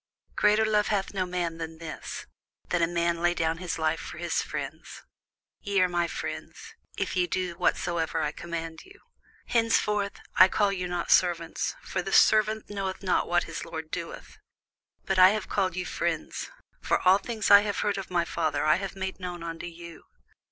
Greater love hath no man than this, that a man lay down his life for his friends. Ye are my friends, if ye do whatsoever I command you. Henceforth I call you not servants; for the servant knoweth not what his lord doeth: but I have called you friends; for all things that I have heard of my Father I have made known unto you.